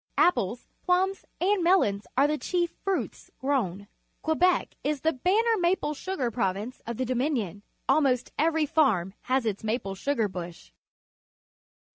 Apples, plums, and mel ons are the chief fruits grown. Quebec is the banner maple sugar province of the Dominion. Almost every farm has its maple sugar bush.